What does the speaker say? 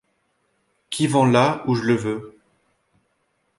Qui vont là où je le veux.